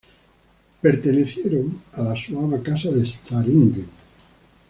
Los pertenecieron a la suaba Casa de Zähringen.